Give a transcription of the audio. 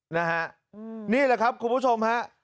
นะฮะนี่แหละครับคุณผู้ชมฮะ